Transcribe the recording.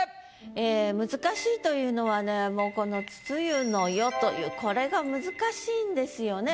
ええ難しいというのはねもうこの「露の世」というこれが難しいんですよね。